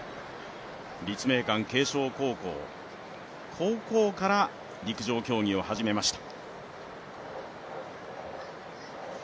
立命館慶祥高校、高校から陸上競技を始めました。